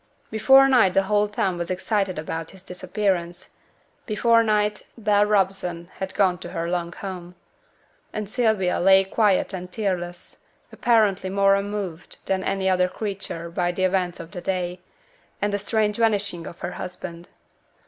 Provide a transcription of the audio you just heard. Before night the whole town was excited about his disappearance. Before night Bell Robson had gone to her long home. And Sylvia still lay quiet and tearless, apparently more unmoved than any other creature by the events of the day, and the strange vanishing of her husband.